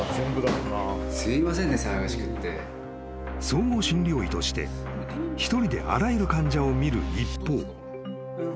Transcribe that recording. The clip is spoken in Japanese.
［総合診療医として一人であらゆる患者を診る一方］